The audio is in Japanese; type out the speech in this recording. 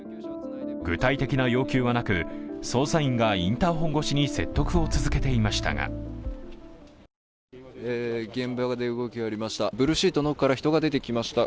具体的な要求はなく、捜査員がインターフォン越しに説得を続けていましたが現場で動きがありました。